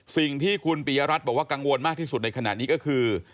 สิ่งที่คุณปียรัฐบอกว่ากังวลมากที่สุดในขณะนี้ก็คือ